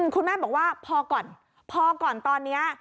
คุณแม่บอกว่าพอก่อนพอก่อนตอนนี้